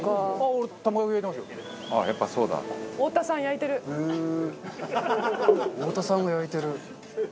おおたさんが焼いてる。